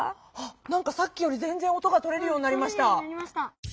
何かさっきよりぜんぜん音がとれるようになりました。